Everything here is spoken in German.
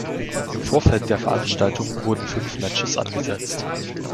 Im Vorfeld der Veranstaltung wurden fünf Matches angesetzt.